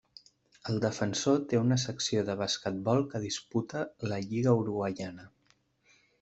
El Defensor té una secció de basquetbol que disputa la lliga uruguaiana.